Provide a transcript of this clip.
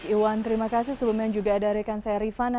iwan terima kasih sebelumnya juga dari kanserifan